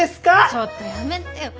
ちょっとやめてよ。